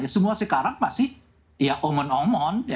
semua sekarang masih ya omon omon